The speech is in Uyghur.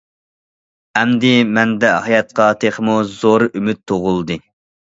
ئەمدى مەندە ھاياتقا تېخىمۇ زور ئۈمىد تۇغۇلدى.